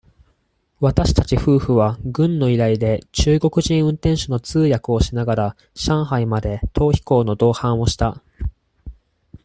私たち夫婦は、軍の依頼で、中国人運転手の通訳をしながら、上海まで、逃避行の同伴をした。